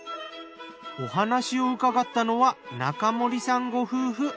お話を伺ったのは仲森さんご夫婦。